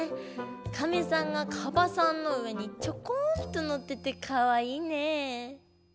カメさんがカバさんの上にちょこんとのっててかわいいね。